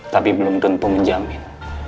tapi belum tentu menjamin